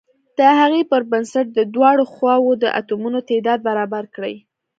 د هغې پر بنسټ د دواړو خواو د اتومونو تعداد برابر کړئ.